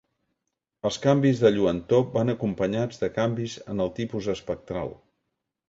Els canvis de lluentor van acompanyats de canvis en el tipus espectral.